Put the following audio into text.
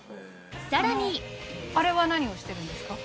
さらにあれは何をしてるんですか？